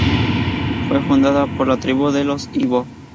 Fue fundada por la tribu de los ibo.